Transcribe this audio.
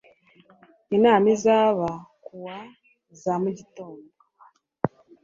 Inama izaba kuwa h za mugitondo.